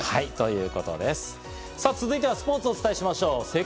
さて続いてはスポーツをお伝えしましょう。